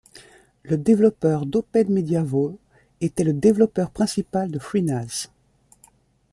Le développeur d'OpenMediaVault était le développeur principal de FreeNas.